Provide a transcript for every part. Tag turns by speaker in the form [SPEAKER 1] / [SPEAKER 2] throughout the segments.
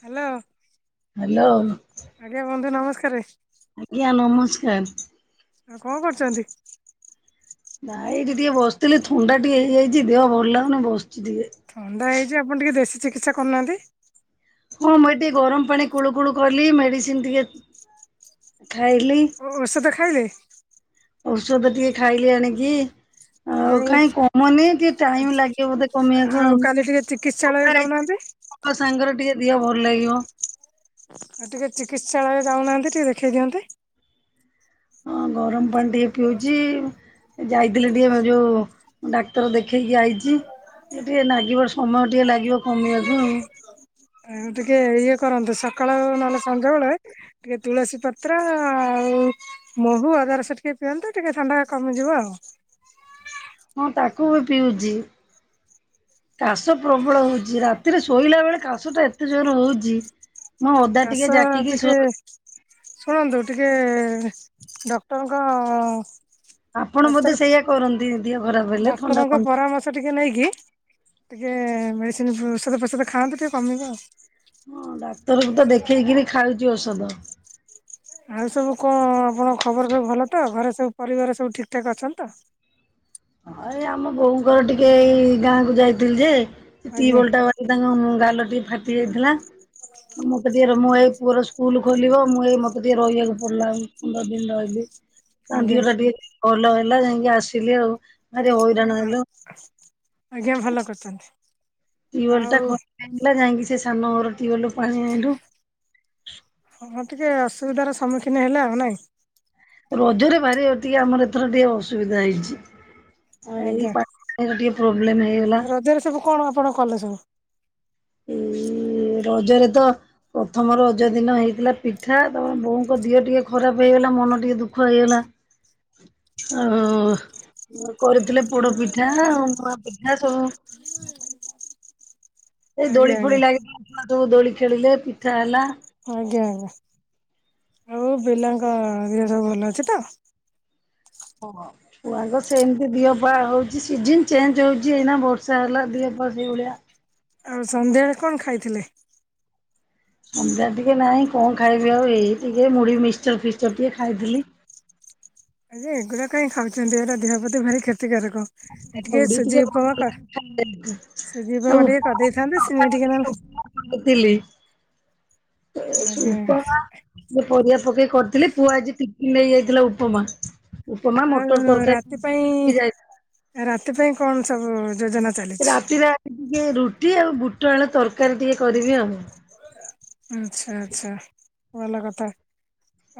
[SPEAKER 1] Hello.
[SPEAKER 2] Hello.
[SPEAKER 1] ଆଜ୍ଞା ବନ୍ଧୁ ନମସ୍କାରେ।
[SPEAKER 2] ଆଜ୍ଞା ନମସ୍କାର।
[SPEAKER 1] ଆଉ କଣ କରୁଚନ୍ତି?
[SPEAKER 2] ନାଇ ଏଇଠି ଟିକେ ବସିଥିଲି ଥଣ୍ଡା ଟିକେ ହେଇଯାଇଚି ଦେହ ଭଲ ଲାଗୁନି ବସ୍ଚି ଟିକେ।
[SPEAKER 1] ଥଣ୍ଡା ହେଇଚି ଆପଣ ଟିକେ ଦେଶୀ ଚିକିତ୍ସା କରୁନାହାନ୍ତି।
[SPEAKER 2] ହଁ ମୁଁ ଏଇ ଟିକେ ଗରମ ପାଣି କୁଳୁ କୁଳୁ କଲି ମେଡିସିନ୍ ଟିକେ ଖାଇଲି।
[SPEAKER 1] ଓ ଓଷଧ ଖାଇଲେ?
[SPEAKER 2] ଓଷଧ ଟିକେ ଖାଇଲି ଆଣିକି। ଆଉ କାଇଁ କମୁନି ଟିକେ ଟାଇମ୍ ଲାଗିବ ବୋଧେ କମିବାକୁ ଆଉ।
[SPEAKER 1] କିତ୍ସାଳୟ ଯାଉନାହାନ୍ତି?
[SPEAKER 2] ଆ ସାଙ୍ଗରେ ଟିକେ ଦିହ ଭଲ ଲାଗିବ।
[SPEAKER 1] ଆ ଟିକେ ଚିକିତ୍ସାଳୟ ଯାଉନାହାନ୍ତି ଟିକେ ଦେଖାଇ ଦିଅନ୍ତେ।
[SPEAKER 2] ହଁ ଗରମ ପାଣି ଟିକେ ପିଉଚି। ଯାଇଥିଲି ଟିକେ ବା ଯୋ ମୁଁ ଡାକ୍ତର ଦେଖେଇକି ଆଇଛି। ଟିକେ ନାଗିବ ସମୟ ଟିକେ ଲାଗିବ କମିବାକୁ ଆଉ।
[SPEAKER 1] ଆଉ ଟିକେ ଇଏ କରନ୍ତ ସକାଳ ନହେଲେ ସଞ୍ଜ ବେଳେ ଟିକେ ତୁଳସୀ ପତ୍ର ଆଉ ମହୁ ଅଦାରସ ଟିକେ ପିଅନ୍ତ ଟିକେ ଥଣ୍ଡା କମିଯିବ ଆଉ।
[SPEAKER 2] ହଁ ତାକୁ ବି ପିଉଚି। କାଶ ପ୍ରବଳ ହଉଚି ରାତିରେ ଶୋଇଲା ବେଳେ କାଶ ଟା ଏତେ ଜୋର ହଉଚି। ମୁଁ ଅଦା
[SPEAKER 1] କାଶ
[SPEAKER 2] ଟିକେ ଜାକିକି
[SPEAKER 1] ଟିକେ
[SPEAKER 2] ଶୋ
[SPEAKER 1] ଶୁଣନ୍ତୁ ଟିକେ ଡକ୍ଟର ଙ୍କ
[SPEAKER 2] ଆପଣ ବୋଧେ ସେଇଆ କରନ୍ତି ଦିହ ଖରାପ ହେଲେ ଥଣ୍ଡା ଫନ୍
[SPEAKER 1] ସ ଟିକେ ନେଇକି ଟିକେ ମେଡିସିନ୍ ଓଷଧ ଫୋଷଧ ଖାଆନ୍ତୁ ଟିକେ କମିବ ଆଉ।
[SPEAKER 2] ହଁ ଡାକ୍ତର କୁ ତ ଦେଖେଇକିରି ଖାଉଚି ଓଷଧ।
[SPEAKER 1] ଆଉ ସବୁ କଣ ଆପଣଙ୍କ ଖବର ସବୁ ଭଲ ତ ଘରେ ସବୁ ପରିବାର ସବୁ ଠିକ୍ ଠାକ୍ ଅଛନ୍ତି ତ?
[SPEAKER 2] ହଁ ଏଇ ଆମ ବୋଉଙ୍କର ଟିକେ ଏଇ ଗାଁ କୁ ଯାଇଥିଲି ଯେ
[SPEAKER 1] ଆଜ୍ଞା
[SPEAKER 2] ଟିବଲ ଟା ତାଙ୍କ ଗାଲ ଟିକେ ଫାଟି ଯାଇଥିଲା। ମତେ ଟିକେ ମୁଁ ଏଇ ପୁଅର ସ୍କୁଲୁ ଖୋଲିବ ମୁଁ ଏଇ ମତେ ଟିକେ ରହିବାକୁ ପଡ଼ିଲା ନ୍ଦର ଦିନ ରହିଲି। ତାଙ୍କ
[SPEAKER 1] ଆଜ୍ଞା
[SPEAKER 2] ଦିହଟା ଟିକେ ଭଲ ହେଲା ଯାଇଙ୍କି ଆସିଲି ଆଉ। ଭାରି ହଇରାଣ
[SPEAKER 1] ଆ
[SPEAKER 2] ହେଲୁ
[SPEAKER 1] ଆଜ୍ଞା ଭଲ କରିଚନ୍ତି।
[SPEAKER 2] ଟିଓଲ୍ ଟା ଯାଇଙ୍କି ସେ ସାନଘର ଟିଓଲ୍ ରୁ ପାଣି ଆଣିଲୁ।
[SPEAKER 1] ହଁ ଟିକେ ଅସୁବିଧାର ସମ୍ମୁଖୀନ ହେଲା ଆଉ ନାଇଁ।
[SPEAKER 2] ରଜରେ ଭାରି ଅଧିକା ଆମର ଏଥର ଟିକେ ଅସୁବିଧା ହେଇଚି। ଆଉ ଏଇ
[SPEAKER 1] ଆଜ୍ଞା।
[SPEAKER 2] ପାଣିର ଟିକେ ପ୍ରୋବ୍ଲେମ୍ ହେଇଗଲା।
[SPEAKER 1] ରଜରେ ସବୁ କଣ ଆପଣ କଲେ ସବୁ?
[SPEAKER 2] ଏଇ ରଜରେ ତ ପ୍ରଥମ ରଜ ଦିନ ହେଇଥିଲା ପିଠା ତମ ବୋଉଙ୍କ ଦିହ ଟିକେ ଖରାପ ହେଇଗଲା ମନ ଟିକେ ଦୁଃଖ ହେଇଗଲା। [inaudible] ଆଉ କରିଥିଲେ ପୋଡ ପିଠା ଆଉ ନୂଆ ପିଠା ସବୁ। ସେଇ
[SPEAKER 1] ଆଜ୍ଞା
[SPEAKER 2] ଦୋଳି
[SPEAKER 1] ଆଜ୍ଞା
[SPEAKER 2] ଫୋଳି ଲାଗି ସବୁ ଦୋଳି ଖେଳିଲେ ପିଠା ହେଲା।
[SPEAKER 1] ଆଜ୍ଞା ଆଜ୍ଞା ଆଉ ପିଲାଙ୍କ ଦିହ ସବୁ ଭଲ ଅଛି ତ?
[SPEAKER 2] ହଁ ହଁ। ଛୁଆଙ୍କ ସେମିତି ଦିହପା ହେଉଛି ସିଜନ ଚେଞ୍ଜ ହେଉଛି ଏଇନା ବର୍ଷା ହେଲା ଦିହପା ସେଇଭଳିଆ।
[SPEAKER 1] ଆଉ ସନ୍ଧ୍ୟାବେଳେ କଣ ଖାଇଥିଲେ?
[SPEAKER 2] ସନ୍ଧ୍ୟା ଟିକେ ନାଇଁ କଣ ଖାଇବି ଆଉ ଏଇ ଟିକେ ମୁଢି ମିକ୍ସଚର ଫିକ୍ସଚର ଟିକେ ଖାଇଥିଲି।
[SPEAKER 1] ହଁ ଯେ ଏଗୁଡ଼ା କାହିଁ ଖାଉଛନ୍ତି ଏରା ଦେହ ପ୍ରତି ଭାରି କ୍ଷତିକାରକ। ଏ ଟିକେ ସୁଜି ଉପମା କ ସୁଜି ଉପମା ଟିକେ କରିଦେଇଥାନ୍ତେ ସିମେଇ ଟିକେ ନହେଲେ
[SPEAKER 2] [unintelligible] [unintelligible] ଥିଲି।
[SPEAKER 1] ଆଜ୍ଞା
[SPEAKER 2] [unintelligible] ପରିବା ପକେଇ କରିଥିଲି ପୁଅ ଆଜି ଟିଫିନ ନେଇଯାଇଥିଲା ଉପମା। ଉପମା
[SPEAKER 1] ଆଉ
[SPEAKER 2] ମଟର ତରକାରୀ।
[SPEAKER 1] ରାତି ପାଇଁ
[SPEAKER 2] [unintelligible]
[SPEAKER 1] ରାତି ପାଇଁ କଣ ସବୁ ଯୋଜନା? ଚାଲିଛି?
[SPEAKER 2] ରାତିରେ ଆଜି ଟିକେ ରୁଟି ଆଉ ବୁଟ ଆଳୁ ତରକାରୀ ଟିକେ କରିବି ଆଉ।
[SPEAKER 1] ଆଚ୍ଛା ଆଚ୍ଛା ଭଲ କଥା।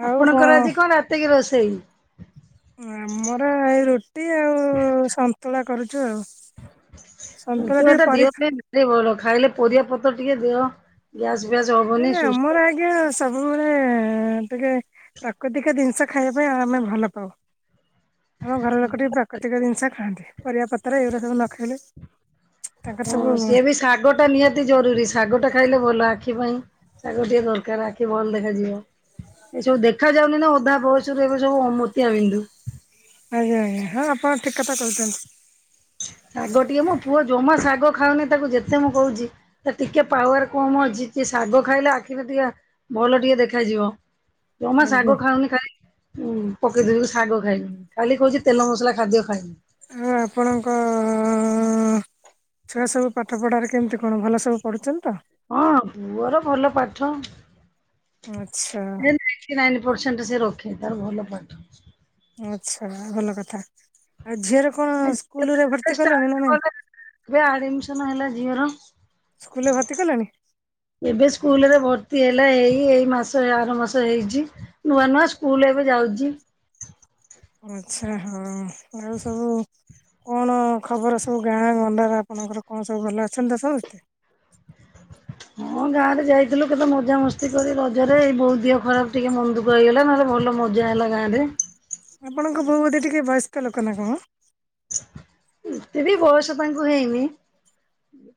[SPEAKER 2] ଆପଣଙ୍କର ଆଜି କଣ ରାତିକି ରୋଷେଇ?
[SPEAKER 1] ଆମର ଏଇ ରୁଟି ଆଉ ସନ୍ତୁଳା କରୁଛୁ ଆଉ।
[SPEAKER 2] ସନ୍ତୁଳା
[SPEAKER 1] ଟିକେ
[SPEAKER 2] ଟା
[SPEAKER 1] ପରି
[SPEAKER 2] ଦେହ ପାଇଁ କେତେ ଭଲ ଖାଇଲେ ପରିବା ପତ୍ର ଟିକେ ଦେହ ଗ୍ୟାସ ଫ୍ୟାସ ହବ।
[SPEAKER 1] ନାଇ ଆମର ଆଜ୍ଞା ସି ସବୁବେଳେ ଟିକେ ପ୍ରାକୃତିକ ଜିନିଷ ଖାଇବା ପାଇଁ ଆମେ ଭଲ ପାଉ। ଆମ ଘର ଲୋକ ଟିକେ ପ୍ରାକୃତିକ ଜିନିଷ ଖାଆନ୍ତି, ପରିବାପତ୍ର ଏଉରା ସବୁ ନ ଖାଇଲେ ତାଙ୍କର ସବୁ
[SPEAKER 2] ହଁ ସିଏ ବି ଶାଗ ଟା ନିହାତି ଜରୁରୀ ଶାଗ ଟା ଖାଇଲେ ଭଲ ଆଖି ପାଇଁ। ଶାଗ ଟିକେ ଦରକାର ଆଖି ଭଲ ଦେଖାଯିବ। ଏସବୁ ଦେଖା ଯାଉନି ନା ଅଧା ବୟସରୁ ଏବେ ସବୁ ମୋତିଆ ବିନ୍ଦୁ।
[SPEAKER 1] ଆଜ୍ଞା ଆଜ୍ଞା ହଁ ଆପଣ ଠିକ୍ କଥା କହୁଛନ୍ତି।
[SPEAKER 2] ଶାଗ ଟିକେ ମୋ ପୁଅ ଜମା ଶାଗ ଖାଉନି ତାକୁ ଯେତେ ମୁଁ କହୁଛି। ତା ଟିକେ ପାୱାର କମ ଅଛି ସିଏ ଶାଗ ଖାଇଲେ ଆଖିରେ ଟିକେ ଭଲ ଟିକେ ଦେଖାଯିବ ଜମା
[SPEAKER 1] ଆଜ୍ଞା।
[SPEAKER 2] ଶାଗ ଖାଉନି ଖାଲି ଉୁଁ ପକେଇ ଦଉଛି ଶାଗ ଖାଇବିନି ଖାଲି କହୁଛି ତେଲ ମସଲା ଖାଦ୍ୟ ଖାଇମି।
[SPEAKER 1] ହଁ ଆପଣଙ୍କ ଆଁ ଛୁଆ ସବୁ ପାଠ ପଢାରେ କେମିତି କଣ ଭଲ ସବୁ ପଢୁଛନ୍ତି ତ?
[SPEAKER 2] ହଁ ପୁଅର ଭଲ ପାଠ।
[SPEAKER 1] ଆଚ୍ଛା।
[SPEAKER 2] ନାଇଣ୍ଟି ପରସେଣ୍ଟ ସେ ରଖେ ତାର ଭଲ ପାଠ।
[SPEAKER 1] ଆଚ୍ଛା ଭଲ କଥା, ଆଉ ଝିଅର କଣ ସ୍କୁଲ ରେ ଭର୍ତ୍ତି କଲେଣି ନା ନାଇଁ?
[SPEAKER 2] ଏବେ ଆଡମିଶନ୍ ହେଲା ଝିଅର।
[SPEAKER 1] ସ୍କୁଲରେ ଭର୍ତ୍ତି କଲେଣି
[SPEAKER 2] ଏବେ ସ୍କୁଲରେ ଭର୍ତ୍ତି ହେଲା ଏଇ ଏଇ ମାସ ଆର ମାସ ହେଇଛି। ନୂଆ ନୂଆ ସ୍କୁଲ ଏବେ ଯାଉଛି।
[SPEAKER 1] ଆଚ୍ଛା ହଉ ଆଉ ସବୁ କଣ ଖବର ସବୁ ଗାଁ ଗଣ୍ଡାର ଆପଣଙ୍କର କଣ ସବୁ ଭଲ ଅଛନ୍ତି ତ ସମସ୍ତେ?
[SPEAKER 2] ହଁ ଗାଁରେ ଯାଇଥିଲୁ କେତେ ମଜାମସ୍ତି କରି ରଜରେ ଏଇ ବୋଉ ଦିହ ଖରାପ ଟିକେ ମନଦୁଃଖ। ମେଘ ହେଇଗଲା ନହଲେ ଭଲ ମଜା ହେଲା ଗାଁରେ।
[SPEAKER 1] ଆପଣଙ୍କ ବୋଉ ବୋଧେ ଟିକେ ବୟସ୍କ ଲୋକ ନା କଣ?
[SPEAKER 2] ଏତେ ବି ବୟସ ତାଙ୍କୁ ହେଇନି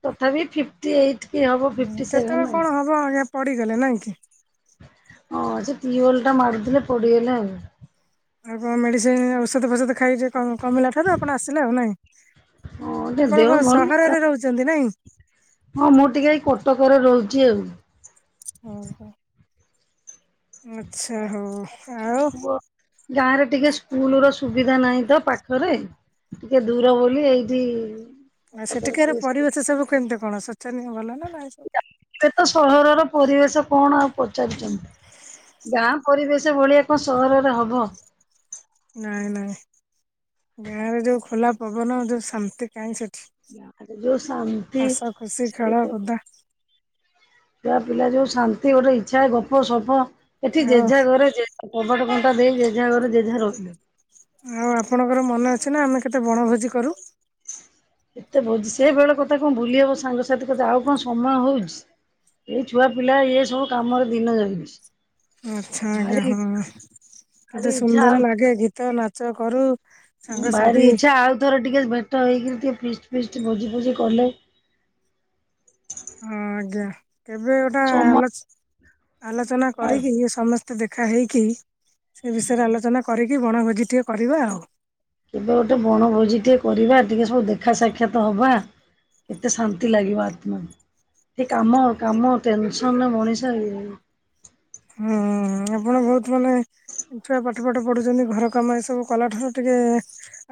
[SPEAKER 2] ତଥାପି ଫିପ୍ ଫିଫ୍ଟି ଏଇଟ୍ କି ହେବ ଫିଫ୍ଟି ସେଭେନ୍ ଆଉ
[SPEAKER 1] ହଁ ଆଜ୍ଞା ପଡ଼ିଗଲେ ନାଇଁ କି?
[SPEAKER 2] ହଁ ସେ ଟିୱଲଟା ମାରୁଥିଲେ ପଡିଗଲେ ଆଉ
[SPEAKER 1] ଆଉ କଣ ମେଡ଼ିସିନ ଔଷଧ ଫୋଷଧ ଖାଇ ଟିକେ କ କମିଲା ଠାରୁ ଆପଣ ଆସିଲେ ଆଉ ନାଇଁ।
[SPEAKER 2] ହଁ ଟିକେ
[SPEAKER 1] ଆପଣ
[SPEAKER 2] ଦେହ
[SPEAKER 1] କଣ
[SPEAKER 2] ଭଲ
[SPEAKER 1] ସହରରେ ରହୁଛନ୍ତି ନାଇଁ?
[SPEAKER 2] ହଁ ମୁଁ ଟିକେ ଏଇ କଟକରେ ରହୁଛି ଆଉ।
[SPEAKER 1] ଓହୋଃ, ଆଚ୍ଛା ହଉ। ଆଉ
[SPEAKER 2] ପୁଅ, ଗାଁଆରେ ଟିକେ ସ୍କୁଲର ସୁବିଧା ନାହିଁ ତ ପାଖରେ। ଟିକେ ଦୂର ବୋଲି ଏଇଠି
[SPEAKER 1] ଆଉ ସେଠିକାର ପରିବେଶ ସବୁ କେମିତି କଣ ଶୋଚନୀୟ ଭଲ ନା ନାଇଁ? ସବୁ
[SPEAKER 2] ଏ ତ ସହରର ପରିବେଶ କଣ ଆଉ ପଚାରୁଚନ୍ତି? ଗାଁଆ ପରିବେଶ ଭଳିଆ କଣ ସହରରେ ହବ?
[SPEAKER 1] ନାଇଁ ନାଇଁ, ଗାଁଆରେ ଯୋଉ ଖୋଲା ପବନ ଯୋଉ ଶାନ୍ତି କାଇଁ ସେଠି?
[SPEAKER 2] ଗାଁରେ ଯୋଉ ଶାନ୍ତି
[SPEAKER 1] ହସ ଖୁସି ଖେଳ କୁଦା।
[SPEAKER 2] ଛୁଆ ପିଲା ଯୋଉ ଶାନ୍ତି ଗୋଟେ ଇଚ୍ଛା ଗପସପ ଏଠି
[SPEAKER 1] ଆଉ
[SPEAKER 2] ଯେଝା ଘରେ ଯିଏ କବାଟ ବନ୍ଦ୍ [inaudible] ଦେଇ ଯେଝା ଘରେ ଯେଝା ରହୁଛନ୍ତି।
[SPEAKER 1] ଆଉ ଆପଣଙ୍କର ମନେ ଅଛି ନା ଆମେ କେତେ ବଣଭୋଜି କରୁ?
[SPEAKER 2] ଏତେ ଭୋଜି ସେ ବେଳ କଥା କଣ ଭୁଲି ହବ ସାଙ୍ଗସାଥି କଥା ଆଉ କଣ ସମୟ ହଉଚି। ଏଇ ଛୁଆପିଲା ଏ ସବୁ କାମରେ ଦିନ ଯାଉଛି।
[SPEAKER 1] ଆଚ୍ଛା ଆଜ୍ଞା
[SPEAKER 2] ଭାରି
[SPEAKER 1] ହଁ,
[SPEAKER 2] ଭାରି
[SPEAKER 1] କେତେ
[SPEAKER 2] ଇଚ୍ଛା ଆଉ
[SPEAKER 1] ସୁନ୍ଦର ଲାଗେ ଗୀତ ନାଚ କରୁ।
[SPEAKER 2] ଉଁ ଭାରି
[SPEAKER 1] ସାଙ୍ଗସାଥି
[SPEAKER 2] ଇଚ୍ଛା ଆଉ ଥରେ ଟିକେ ଭେଟ ହେଇକି ଟିକେ ଫିଷ୍ଟ ଫିଷ୍ଟ ଭୋଜିଫୋଜି କଲେ
[SPEAKER 1] ହଁ ଆଜ୍ଞା, କେବେ ଗୋଟା
[SPEAKER 2] ସମ
[SPEAKER 1] ଆଲୋଚ୍ ଆଲୋଚନା
[SPEAKER 2] ଆଉ
[SPEAKER 1] କରିକିନି ସମସ୍ତେ ଟିକେ ଦେଖା ହେଇକି ସେ ବିଷୟରେ ଆଲୋଚନା କରିକି ବଣଭୋଜିଟିଏ କରିବା ଆଉ।
[SPEAKER 2] କେବେ ଗୋଟେ ବଣଭୋଜି ଟିକେ କରିବା ଟିକେ ସବୁ ଦେଖା ସାକ୍ଷାତ ହବା। ଏତେ ଶାନ୍ତି ଲାଗିବ ଆତ୍ମା। ଏ କାମ କାମ ଟେନସନ୍ ରେ ମଣିଷ ଏ ହେଇ
[SPEAKER 1] ହୁଁ-ଉଁ-ଉଁ ଆପଣ ବହୁତ ମାନେ ଛୁଆ ପାଠଫାଠ ପଢ଼ୁଛନ୍ତି ଘର କାମ ଏସବୁ କଲାଠାରୁ ଟିକେ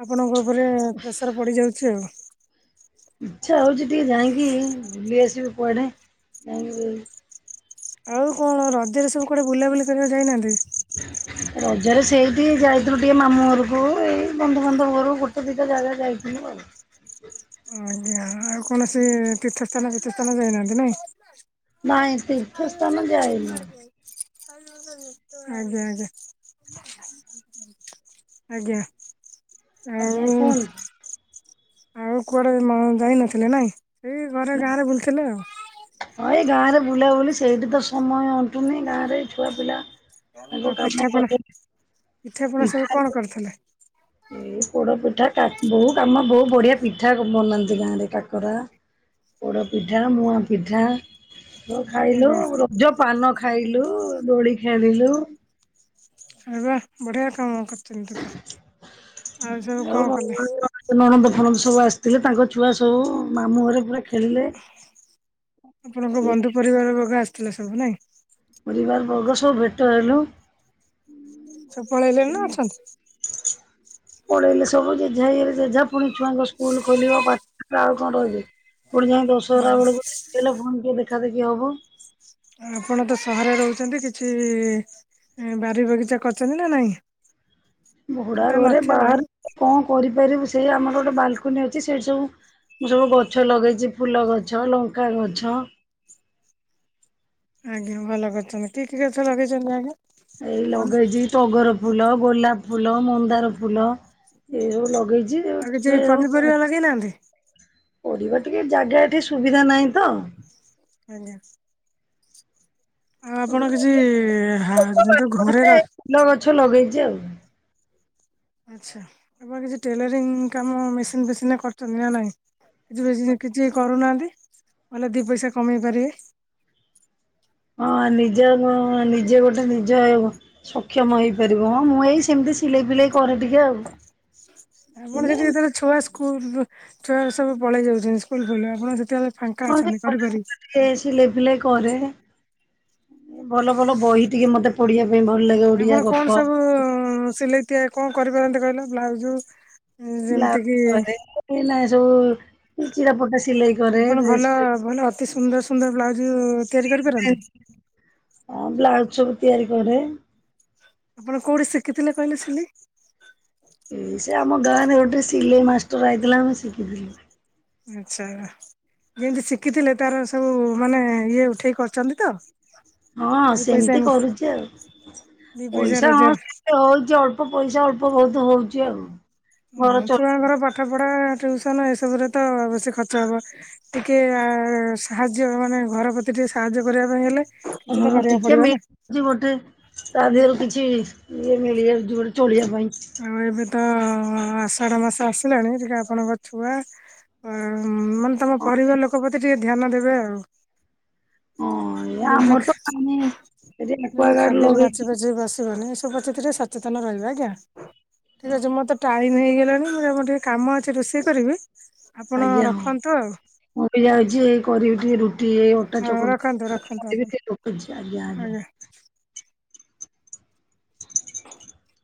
[SPEAKER 1] ଆପଣଙ୍କ ଉପରେ ପ୍ରେସର ପଡ଼ିଯାଉଛି ଆଉ।
[SPEAKER 2] ଇଚ୍ଛା ହଉଛି ଟିକେ ଯାଇଁକି ବୁଲି ଆସିବି କୁଆଡେ ଯାଇଁକି ବୁଲି
[SPEAKER 1] ଆଉ କଣ ରଜରେ ସବୁ କୁଆଡେ ବୁଲାବୁଲି କରିବାକୁ ଯାଇନାହାନ୍ତି?
[SPEAKER 2] ହଁ [inaudible] ରଜରେ ସେଇ ଟିକେ ଯାଇଥିଲୁ ଟିକେ ମାମୁଁ ଘରକୁ ଏଇ ବନ୍ଧୁବାନ୍ଧବ ଘରକୁ ଗୋଟେ ଦିଟା ଜାଗା ଯାଇଥିଲୁ ଆଉ।
[SPEAKER 1] ଆଜ୍ଞା, ଆଉ କୌଣସି ତୀର୍ଥ ସ୍ଥାନ ଫିର୍ଥ ସ୍ଥାନ ଯାଇନାହାନ୍ତି ନାଇଁ?
[SPEAKER 2] ନାଇଁ ତୀର୍ଥସ୍ଥାନ ଯାଇନୁ।
[SPEAKER 1] ଆଜ୍ଞା ଆଜ୍ଞା। ଆଜ୍ଞା‌।
[SPEAKER 2] ଆଜ୍ଞା କୁହନ୍ତୁ?
[SPEAKER 1] ଆଉ କୁଆଡେ ମ ଯାଇ ନଥିଲେ ନାଇଁ, ଏଇ ଘରେ ଗାଁଆରେ ବୁଲୁଥିଲେ ଆଉ।
[SPEAKER 2] ହଁ ଏଇ ଗାଁଆରେ ବୁଲାବୁଲି ସେଇଠି ତ ସମୟ ଅ ଅଣ୍ଟୁନି, ଗାଁ ରେ ଛୁଆପିଲା ତାଙ୍କ କାମ କରେ।
[SPEAKER 1] ଏଥିରେ ପୁଣି ସବୁ କଣ କରିଥିଲେ?
[SPEAKER 2] ଏଇ ପୋଡ ପିଠା କା ବୋଉ କାମ ବୋଉ ବଢିଆ ପିଠା ବନାନ୍ତି ଗାଁଆରେ କାକରା। ପୋଡ଼ ପିଠା ମୁଆଁ ପିଠା ଖାଇଲୁ
[SPEAKER 1] ଆଜ୍ଞା
[SPEAKER 2] ରଜ ପାନ ଖାଇଲୁ ଦୋଳି ଖେଳିଲୁ
[SPEAKER 1] ଆରେ ବାଃ ବଢ଼ିଆ କାମ କରିଛନ୍ତି ତ। ଆଉ ସବୁ କଣ କଲେ?
[SPEAKER 2] ମୋ ନଣନ୍ଦ ଫଣନ୍ଦ ସବୁ ଆସିଥିଲେ ତାଙ୍କ ଛୁଆ ସବୁ ମାମୁଁ ଘରେ ପୁରା ଖେଳିଲେ
[SPEAKER 1] ଆପଣଙ୍କ
[SPEAKER 2] ସେ
[SPEAKER 1] ବନ୍ଧୁ ପରିବାର ବର୍ଗ ଆସିଥିଲେ ସବୁ ନାଇଁ?
[SPEAKER 2] ପରିବାର ବର୍ଗ ସବୁ ଭେଟ ହେଲୁ।
[SPEAKER 1] ସବୁ ପଳେଇଲେଣି ନା ଅଛନ୍ତି?
[SPEAKER 2] ପଳେଇଲେ ସବୁ ଜେଝା ଇଲେ ଜେଝା ପୁଣି ଛୁଆଙ୍କ ସ୍କୁଲ ଖୋଲିବ ପାଠ ଆଉ କଣ ରହିବେ। ପୁଣି ଯାଇକି ଦଶହରା
[SPEAKER 1] ଆଜ୍ଞା
[SPEAKER 2] ବେଳକୁ ଛୁଟି ହେଲେ ଫୁନୀ ଟିକେ ଦେଖା ଦେଖି ହବ।
[SPEAKER 1] ଆ ଆପଣ ତ ସହରରେ ରହୁଛନ୍ତି କିଛି ବାରି ବଗିଚା କରିଛନ୍ତି ନା ନାଇଁ?
[SPEAKER 2] ଭଡ଼ା
[SPEAKER 1] ସେଟା
[SPEAKER 2] ଘରେ
[SPEAKER 1] ନଥିବ
[SPEAKER 2] ବାହାରେ କଣ କରିପାରିବୁ ସେଇ ଆମର ଗୋଟେ ବାଲ୍କୋନି ଅଛି ସେଇଠି ସବୁ ମୁଁ ସବୁ ଗଛ ଲଗେଇଛି ଫୁଲ ଗଛ ଲଙ୍କା ଗଛ
[SPEAKER 1] ଆଜ୍ଞା ଭଲ କରିଛନ୍ତି। କି କି ଗଛ ଲଗେଇଛନ୍ତି ଆଜ୍ଞା?
[SPEAKER 2] ଏଇ
[SPEAKER 1] ଆଉ
[SPEAKER 2] ଲଗେଇଛି ଟଗର ଫୁଲ ଗୋଲାପ ଫୁଲ ମନ୍ଦାର ଫୁଲ ଏ ସବୁ ଲଗେଇଛି।
[SPEAKER 1] ଆଉ କିଛି
[SPEAKER 2] ସେ ସବୁ
[SPEAKER 1] ପନିପରିବା ଲଗେଇନାହାନ୍ତି?
[SPEAKER 2] ପରିବା ଟିକେ ଜାଗା ଏଠି ସୁବିଧା ନାହିଁ ତ
[SPEAKER 1] ଆଜ୍ଞା। ଆଉ ଆପଣ କିଛି ହା ଯୋଉ ଘରେ ର
[SPEAKER 2] ଫୁଲ ଗଛ ଲଗେଇଛି ଆଉ।
[SPEAKER 1] ଆଚ୍ଛା ଆପଣ କିଛି ଟେଲରିଂ କାମ ମେସିନ୍ ଫେସିନ୍ ରେ କରୁଛନ୍ତି ନା ନାଇଁ? [unintelligible] କିଛି କରୁନାହାନ୍ତି ନହେଲେ ଦି ପଇସା କମେଇ ପାରିବେ।
[SPEAKER 2] ହଁ ନିଜ ନିଜେ ଗୋଟେ ନିଜେ ସକ୍ଷମ ହେଇପାରିବ ହଁ ମୁଁ ଏଇ ସେମିତି ସିଲେଇ ଫିଲେଇ କରେ ଟିକେ ଆଉ।
[SPEAKER 1] ଆପଣ ସେଠି ଯେତେବେଳେ ଛୁଆ ସ୍କୁଲ୍ ଛୁଆ ସବୁ ପଳେଇ ଯାଉଛନ୍ତି ସ୍କୁଲ ଫୁଲ୍ ଆପଣ ସେତେବେଳେ ଫାଙ୍କା ଅଛନ୍ତି କରିପାରିବି
[SPEAKER 2] ଏଇ ସିଲେଇ ଫିଲେଇ କରେ ଭଲ ଭଲ ବହି ଟିକେ ମତେ ପଢିବାକୁ
[SPEAKER 1] ଆପଣ କଣ ସବୁ ସିଲେଇ ତିଆ କଣ କରିପାରନ୍ତି କହିଲ ବ୍ଲାଉଜ ଯେମିତି କିି
[SPEAKER 2] ବ୍ଲାଉଜ କରେ ଏଇନା ସବୁ ଚିରାଫଟା ସିଲେଇ କରେ
[SPEAKER 1] ଆପଣ
[SPEAKER 2] ଡ୍ରେସ୍
[SPEAKER 1] ଭଲ ଭଲ ଅତି ସୁନ୍ଦର ସୁନ୍ଦର ବ୍ଲାଉଜ-ଉ ତିଆରି କରିପାରନ୍ତି?
[SPEAKER 2] ଅଁ ବ୍ଲାଉଜ ସବୁ ତିଆରି କରେ।
[SPEAKER 1] ଆପଣ କୋଉଠି ଶିଖିଥିଲେ କହିଲେ ସିଲେଇ?
[SPEAKER 2] ଏ ସେ ଆମ ଗାଁରେ ଗୋଟେ ସିଲେଇ ମାଷ୍ଟର ଆଇଥିଲା ମୁଁ ଶିଖିଥିଲି।
[SPEAKER 1] ଆଚ୍ଛା। ଯେମିତି ଶିଖିଥିଲେ ତାର ସବୁ ମାନେ ଇଏ ଉଠେଇକି କରୁଛନ୍ତି ତ
[SPEAKER 2] ହଁ
[SPEAKER 1] ଦି ପଇସା
[SPEAKER 2] ସେମିତି କରୁଚି ଆଉ
[SPEAKER 1] ଦି
[SPEAKER 2] ପଇସା
[SPEAKER 1] ରୋଜଗାର
[SPEAKER 2] ହଁ ହଉଚି ଅଳ୍ପ ପଇସା ଅଳ୍ପ ବହୁତ ହଉଚି ଆଉ ଘର
[SPEAKER 1] ଉଁ
[SPEAKER 2] ଚଳ
[SPEAKER 1] ଛୁଆଙ୍କର ପାଠ ପଢ଼ା ଟ୍ୟୁସନ୍ ଏସବୁରେ ତ ବେଶୀ ଖର୍ଚ୍ଚ ହବ। ଟିକେ ଆ ସାହାଯ୍ୟ ମାନେ ଘର ପ୍ରତି ଟିକେ ସାହାଯ୍ୟ କରିବା ପାଇଁ ହେଲେ କିଛି
[SPEAKER 2] ହଁ
[SPEAKER 1] ତ କରିବାକୁ
[SPEAKER 2] ଟିକେ
[SPEAKER 1] ପଡିବ ନା
[SPEAKER 2] ମିଳିଛି ଗୋଟେ ତା ଦେହରୁ କିଛି ଇଏ ମିଳିଯାଉଛି ଗୋଟେ ଚଳିବା ପାଇଁ
[SPEAKER 1] ଆଉ ଏବେ ତ ଆଷାଢ଼ ମାସ ଆସିଲାଣି ଟିକେ ଆପଣଙ୍କ ଛୁଆ ଆଁ ମାନେ ତମ ପରିବାର ଲୋକ ପ୍ରତି ଟିକେ ଧ୍ୟାନ ଦେବେ ଆଉ
[SPEAKER 2] ଅଁ ଏ
[SPEAKER 1] ଯେମିତି
[SPEAKER 2] ଆମର ତ ପାନି ଏ ଯେ
[SPEAKER 1] ଯେମିତି
[SPEAKER 2] ଏକ୍ଵଗାର୍ଡ
[SPEAKER 1] ଖାଦ୍ୟରେ ମାଛି
[SPEAKER 2] ଲଗେଇଛୁ।
[SPEAKER 1] [inaudible] ସଚେତନ ରହିବା ଆଜ୍ଞା ଠିକ୍ ଅଛି ମୋର ତ ଟା ଟାଇମ୍ ହେଇଗଲାଣି ମୁଁ ଆଉ ମୋର ଟିକେ କାମ ଅଛି ରୋଷେଇ କରିବି ଆପଣ
[SPEAKER 2] ଆଜ୍ଞା ହଁ।
[SPEAKER 1] ରଖନ୍ତୁ ଆଉ।
[SPEAKER 2] ମୁଁ ବି ଯାଉଛି ଏଇ କରିବି ଟିକେ ରୁଟି ଏଇ ଅଟା
[SPEAKER 1] ହଁ ରଖନ୍ତୁ
[SPEAKER 2] ଚକଟୁଚି
[SPEAKER 1] ରଖନ୍ତୁ ଆପଣ
[SPEAKER 2] କରିବି ରଖୁଛି ଆଜ୍ଞା ଆଜ୍ଞା।
[SPEAKER 1] [inaudible]